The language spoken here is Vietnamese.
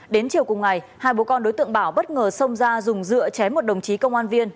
đến chiều cùng ngày hai bố con đối tượng bảo bất ngờ xông ra dùng dựa chém một đồng chí công an viên